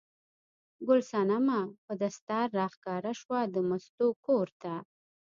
ګل صنمه په دستار راښکاره شوه د مستو کور ته.